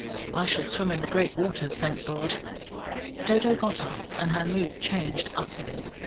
I still swim in the great waters, thank God." Dodo got up, and her mood changed utterly.